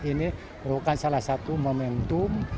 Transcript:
ini merupakan salah satu momentum